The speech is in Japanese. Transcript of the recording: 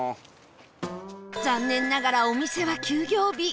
残念ながらお店は休業日